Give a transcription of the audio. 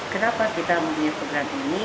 kenapa kita memiliki peran ini